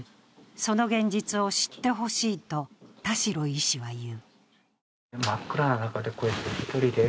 その現実を知ってほしいと田代医師は言う。